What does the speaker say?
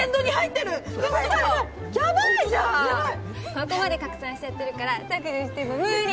ここまで拡散しちゃってるから削除しても無理！